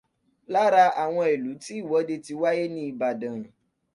Lára àwọn ìlú tí ìwọ́de ti wáyé ní Ìbàdàn.